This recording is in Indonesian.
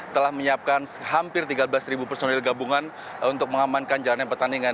telah menyiapkan hampir tiga belas personil gabungan untuk mengamankan jalannya pertandingan